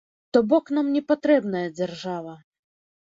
То бок нам не патрэбная дзяржава.